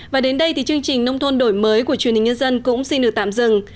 và đến đây thì chương trình nông thôn đổi mới của truyền hình nhân dân cũng xin được tạm dừng